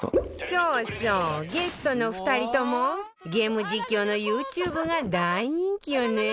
ゲストの２人ともゲーム実況のユーチューブが大人気よね